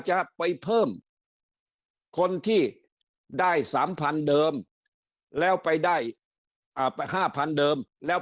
จะไปเพิ่มคนที่ได้๓๐๐๐เดิมแล้วไปได้๕๐๐๐เดิมแล้ว